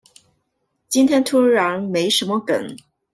今天突然沒什麼梗